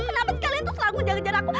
kenapa sekalian tuh selalu menjaga jaga aku